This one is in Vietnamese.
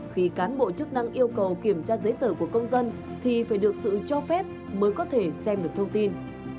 khi cán bộ chức năng yêu cầu kiểm tra giấy tờ của công dân thì phải được sự cho phép mới có thể xem được thông tin